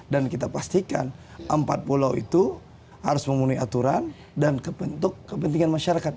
dan kita pastikan empat pulau itu harus memenuhi aturan dan kepentingan masyarakat